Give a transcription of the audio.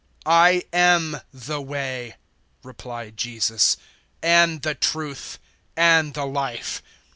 014:006 "I am the Way," replied Jesus, "and the Truth and the Life.